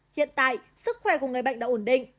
hiện tại sức khỏe của người bệnh đã ổn định